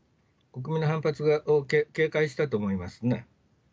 国民の反発を警戒したと思いますね。